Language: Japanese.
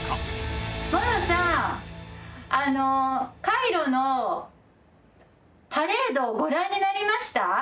あのカイロのパレードをご覧になりました？